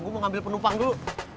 gue mau ngambil penumpang dulu